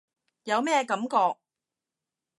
有咩感覺？